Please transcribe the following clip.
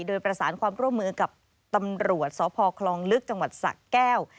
โดยประสานความร่วมมือกับตำรวจสพคลองลึกจังหวัดสะแก้ว